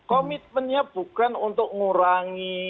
komitmennya bukan untuk ngurangi